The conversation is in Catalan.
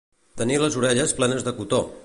Tenir les orelles plenes de cotó.